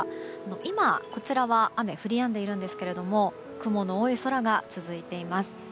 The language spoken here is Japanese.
今、こちらは雨がやんでいるんですが雲の多い空が続いています。